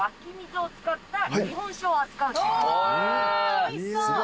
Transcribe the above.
おいしそう。